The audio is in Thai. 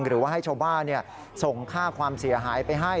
หรือว่าให้ชาวบ้านส่งค่าความเสียหายไปให้